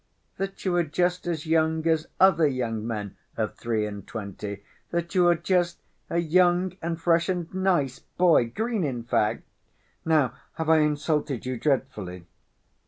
"That you are just as young as other young men of three and twenty, that you are just a young and fresh and nice boy, green in fact! Now, have I insulted you dreadfully?"